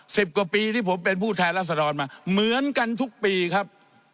สิบกว่าปีที่ผมเป็นผู้แทนรัศดรมาเหมือนกันทุกปีครับ